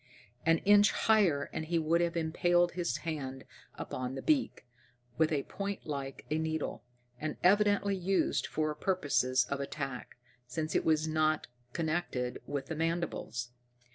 An inch higher, and he would have impaled his hand upon the beak, with a point like a needle, and evidently used for purposes of attack, since it was not connected with the mandibles.